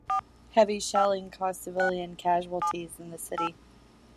Heavy shelling caused civilian casualties in the city.